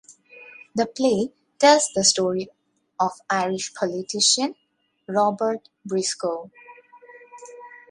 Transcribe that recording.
The play tells the story of Irish politician Robert Briscoe.